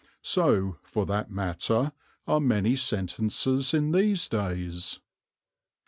So, for that matter, are many sentences in these days.